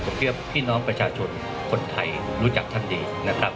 ผมเชื่อพี่น้องประชาชนคนไทยรู้จักท่านดีนะครับ